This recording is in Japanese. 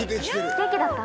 元気だった？